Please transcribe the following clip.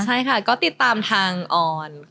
ใช่ค่ะก็ติดตามทางออน